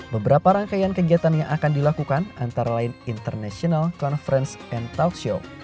beberapa rangkaian kegiatan yang akan dilakukan antara lain international conference and talk show